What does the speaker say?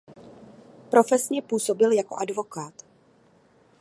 Profesně působil jako advokát.